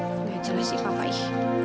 gajalah sih pak pak